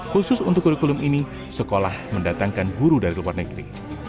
khusus untuk kurikulum ini sekolah mendatangkan guru dari luar negeri